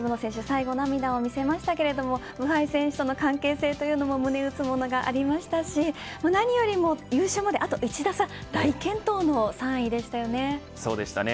最後、涙を見せましたがブハイ選手との関係も胸打つものがありましたし何よりも優勝まで、あと１打差大健闘の３位でしたよね。